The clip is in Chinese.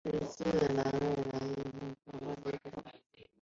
十字兰为兰科玉凤花属下的一个种。